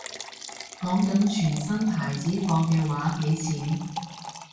講緊全新牌子貨嘅話幾錢